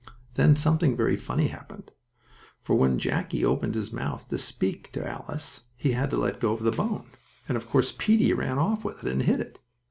Then something very funny happened, for when Jackie opened his mouth to speak to Alice he had to let go of the bone, and of course Peetie ran off with it and hid it.